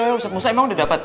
eh ustadz musa emang udah dapet